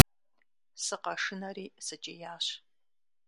Сыкъэшынэри, сыкӀиящ.